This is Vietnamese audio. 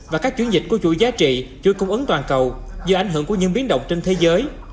và các chuyến dịch của chuỗi giá trị chuỗi cung ứng toàn cầu do ảnh hưởng của những biến động trên thế giới